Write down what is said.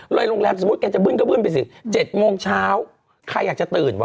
ในโองแรมจะคงบึ้นไปสิเจ็ดโมงเช้าใครอยากจะตื่นวะ